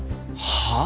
はあ？